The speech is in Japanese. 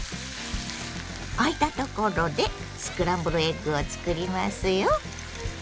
あいたところでスクランブルエッグを作りますよ。